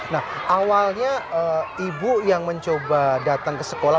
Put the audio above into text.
nah awalnya ibu yang mencoba datang ke sekolah